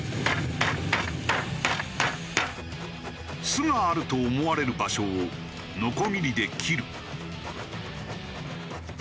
巣があると思われる場所をノコギリで切る。